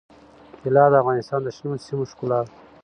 طلا د افغانستان د شنو سیمو ښکلا ده.